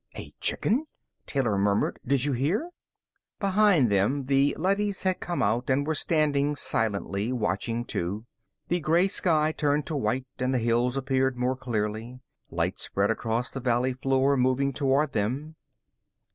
"A chicken!" Taylor murmured. "Did you hear?" Behind them, the leadys had come out and were standing silently, watching, too. The gray sky turned to white and the hills appeared more clearly. Light spread across the valley floor, moving toward them.